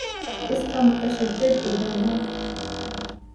اس کا متشدد اقدامات